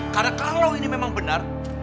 karena kalau ini memang benar